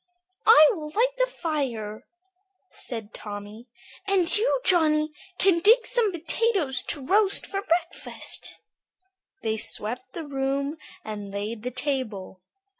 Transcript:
"I will light the fire," said Tommy. "And you, Johnny, can dig some potatoes to roast for breakfast." They swept the room and laid the table.